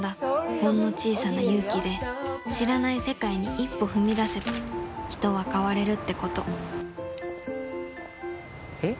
ほんの小さな勇気で知らない世界に一歩踏み出せば人は変われるってことピー！